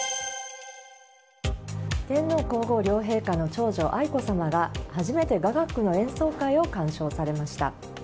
天皇・皇后両陛下の長女・愛子さまが初めて雅楽の演奏会を鑑賞されました。